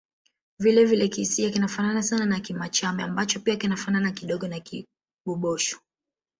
Vile vile Kisiha kinafanana sana na Kimachame ambacho pia kinafanana kidogo na Kikibosho